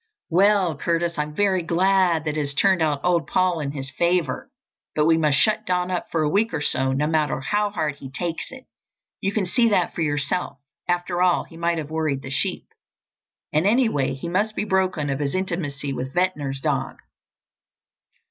"Well, Curtis, I'm very glad that it has turned old Paul in his favour. But we must shut Don up for a week or so, no matter how hard he takes it. You can see that for yourself. After all, he might have worried the sheep. And, anyway, he must be broken of his intimacy with Ventnor's dog."